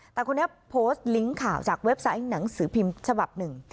แต่คนนี้โพสต์ลิงก์ข่าวจากเว็บไซต์หนังสือพิมพ์ฉบับหนึ่ง